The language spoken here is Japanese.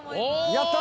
やった！